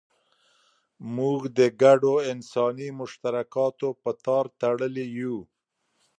موږ د ګډو انساني مشترکاتو په تار تړلي یو.